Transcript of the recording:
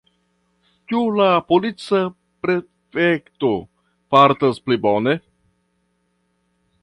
Ĉu la polica prefekto fartas pli bone?